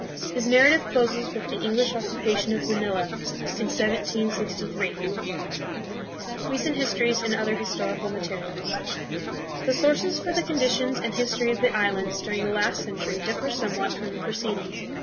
His narrative closes with the English occupation of Manila in 1763. Recent Histories and Other Historical Materials. The sources for the conditions and history of the islands during the last century differ somewhat from the preced ing.